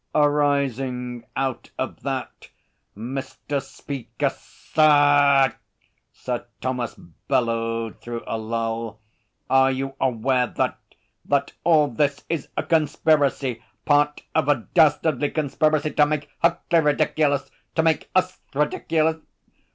'Arising out of that, Mr. Speaker, Sirrr!' Sir Thomas bellowed through a lull, 'are you aware that that all this is a conspiracy part of a dastardly conspiracy to make Huckley ridiculous to make us ridiculous?